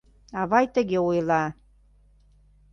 Авай тыге ойла...